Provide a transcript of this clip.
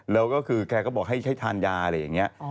แล้วก็คือแกก็บอกให้ทานยาอะไรอย่างนี้